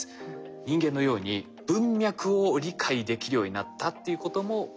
人間のように文脈を理解できるようになったっていうことも大きいんです。